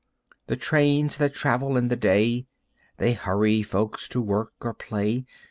The trains that travel in the day They hurry folks to work or play.